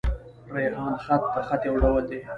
ریحان خط؛ د خط يو ډول دﺉ.